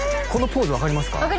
このポーズ分かりますか？